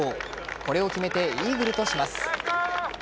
これを決めてイーグルとします。